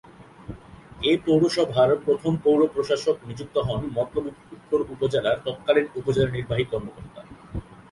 এ পৌরসভার প্রথম পৌর প্রশাসক নিযুক্ত হন মতলব উত্তর উপজেলার তৎকালীন উপজেলা নির্বাহী কর্মকর্তা।